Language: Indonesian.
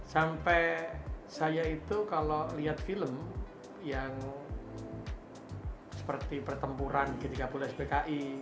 sampai saya itu kalau lihat film yang seperti pertempuran g tiga puluh spki